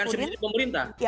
bukan subsidi pemerintah